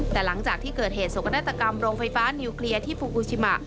แต่หลังจากที่เกิดเหตุสกนาฏกรรมโรงไฟฟ้านิวเคลียร์ที่ฟูกูชิมะ